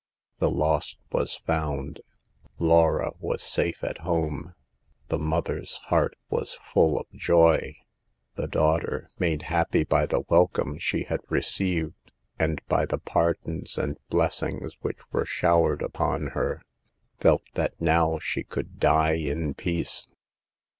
The lost was found ; Laura was safe at home ; the mother's heart was full of joy. The daughter, made happy by the welcome she had received, and by the pardons and blessings which were showered upon her, felt that now she could die in peace.